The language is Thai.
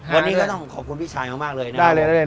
วันนี้ก็ต้องขอบคุณพี่ชายมากมากเลยนะครับได้เลยได้เลย